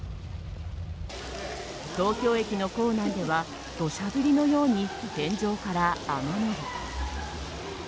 東京駅の構内では土砂降りのように天井から雨漏り。